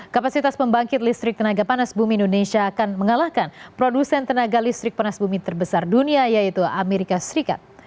kapasitas pembangkit listrik tenaga panas bumi indonesia akan mengalahkan produsen tenaga listrik panas bumi terbesar dunia yaitu amerika serikat